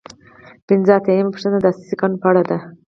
پنځه اتیا یمه پوښتنه د اساسي قانون په اړه ده.